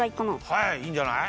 はいいいんじゃない。